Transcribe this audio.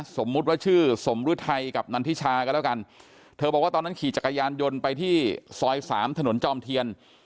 สมมุติว่าชื่อสมฤทัยกับนันทิชาก็แล้วกันเธอบอกว่าตอนนั้นขี่จักรยานยนต์ไปที่ซอยสามถนนจอมเทียน